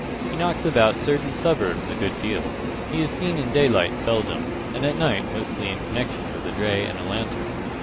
He knocks about certain suburbs a good deal. He is seen in daylight seldom, and at night mostly in connection with a dray and a lantern.